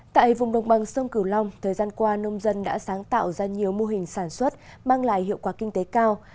tại vùng đồng bằng sông cửu long thời gian qua nông dân đã sáng tạo ra nhiều mô hình sản xuất mang lại hiệu quả kinh tế cao